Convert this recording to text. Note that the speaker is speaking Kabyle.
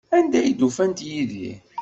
Anda ay d-ufant Yidir?